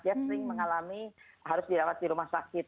dia sering mengalami harus dirawat di rumah sakit